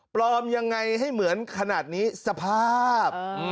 ปลอมยังไงให้เหมือนขนาดนี้สภาพ